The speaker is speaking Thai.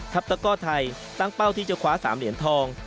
ตะก้อไทยตั้งเป้าที่จะคว้า๓เหรียญทอง